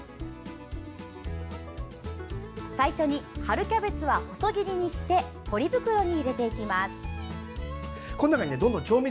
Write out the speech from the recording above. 最初に春キャベツは細切りにしてポリ袋に入れていきます。